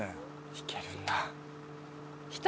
いけるんだ。